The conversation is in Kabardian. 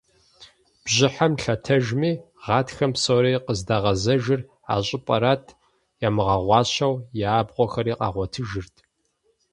Бжьыхьэм лъэтэжми, гъатхэм псори къыздагъэзэжыр а щӏыпӏэрат, ямыгъэгъуащэу я абгъуэхэри къагъуэтыжырт.